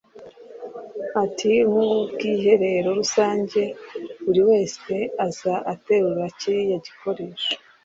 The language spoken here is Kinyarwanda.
Ati “Nk’ubwiherero rusange buri wese aza aterura kiriya gikoresho